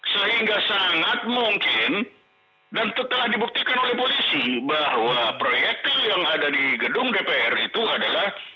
sehingga sangat mungkin dan setelah dibuktikan oleh polisi bahwa proyektil yang ada di gedung dpr itu adalah